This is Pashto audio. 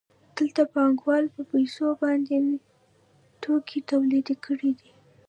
دلته پانګوال په پیسو باندې توکي تولید کړي دي